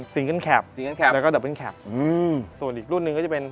เกิ้ลแคปซิงเกิปแล้วก็ดับเป็นแคปอืมส่วนอีกรุ่นหนึ่งก็จะเป็น